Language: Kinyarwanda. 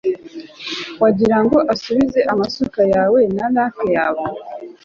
wagira ngo, usubize amasuka yawe na rake yawe